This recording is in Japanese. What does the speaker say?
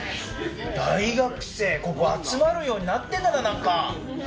大学生、集まるようになってるんだな、ここ。